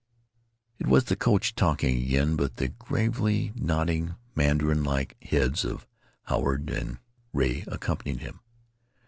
It was the coach talking again, but the gravely nodding mandarin like heads of Howard and Ray accompanied him.